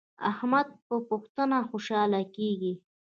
احمد په پښتنه خوشحاله کیږي.